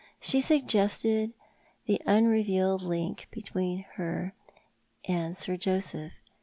She sug gested the unrevealed link between her and Sir Joseph.